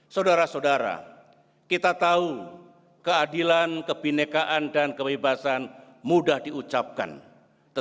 saudara saudara kita tahu bahwa keadilan dan kebebasan adalah hal yang sangat penting dan sangat penting dalam kehidupan kita sebagai negara